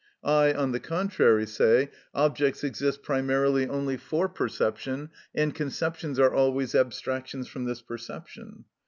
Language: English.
I, on the contrary, say: Objects exist primarily only for perception, and conceptions are always abstractions from this perception.